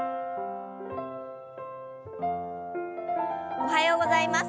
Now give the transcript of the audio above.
おはようございます。